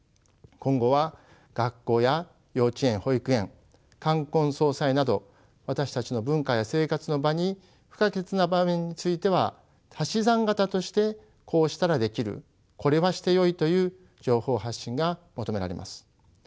今後は学校や幼稚園保育園冠婚葬祭など私たちの文化や生活の場に不可欠な場面については足し算型としてこうしたらできるこれはしてよいという情報発信が求められます。